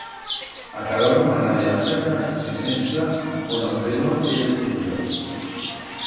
A calor humana de ras casas se mescla con o fredo de l'exterior.